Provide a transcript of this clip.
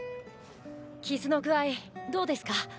傷の具合どうですか？